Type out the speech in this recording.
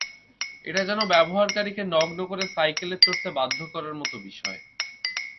এটা যেন ব্যবহারকারীকে নগ্ন করে সাইকেলে চড়তে বাধ্য করার মতো বিষয়।